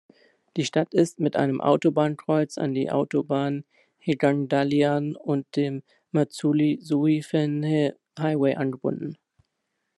Die Stadt ist mit einem Autobahnkreuz an die Autobahn Hegang-Dalian und dem Manzhouli-Suifenhe-Highway angebunden.